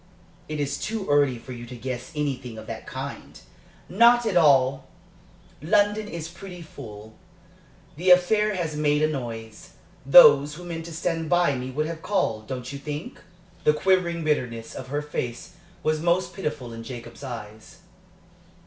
"It is too early for you to guess anything of that kind." "Not at all! London is pretty full. The affair has made a noise. Those who meant to stand by me would have called, don't you think?" The quivering bitterness of her face was most pitiful in Jacob's eyes.